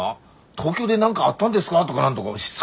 東京で何かあったんですか？」とか何とかしつ